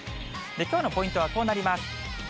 きょうのポイントはこうなります。